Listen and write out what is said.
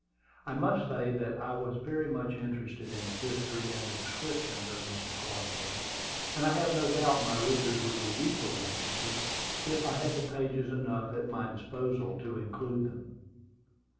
I must say that I was very much interested in the history and descriptions of Mr. Cornwood; and I have no doubt my readers would be equally interested, if I had pages enough at my disposal to include them.